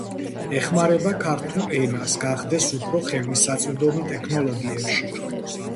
ეხმარება ქართულ ენას გახდეს უფრო ხელმისაწვდომი ტექნოლოგიებში